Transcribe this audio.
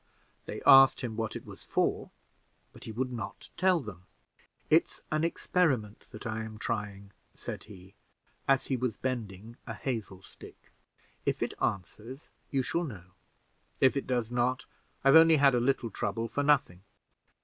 They asked him what it was for, but he would not tell them. "It's an experiment that I am trying," said he as he was bending a hazel stick. "If it answers, you shall know: if it does not, I've only had a little trouble for nothing.